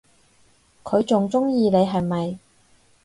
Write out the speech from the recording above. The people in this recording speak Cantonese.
佢仲鍾意你係咪？